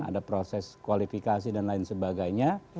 ada proses kualifikasi dan lain sebagainya